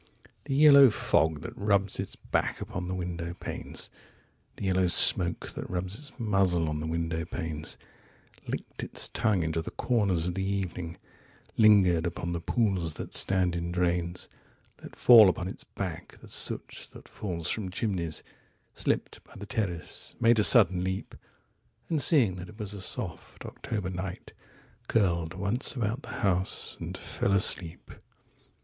15The yellow fog that rubs its back upon the window panes,16The yellow smoke that rubs its muzzle on the window panes,17Licked its tongue into the corners of the evening,18Lingered upon the pools that stand in drains,19Let fall upon its back the soot that falls from chimneys,20Slipped by the terrace, made a sudden leap,21And seeing that it was a soft October night,22Curled once about the house, and fell asleep.